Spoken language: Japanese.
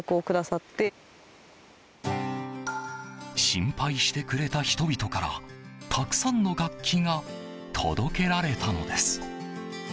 心配してくれた人々からたくさんの楽器が届けられたのです。